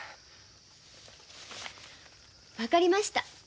分かりました。